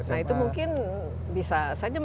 nah itu mungkin bisa saja